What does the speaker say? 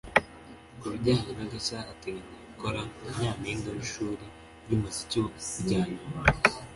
Ku bijyanye n’agashya ateganya gukora nka Nyampinga w’ishuri ry’umuziki rya Nyundo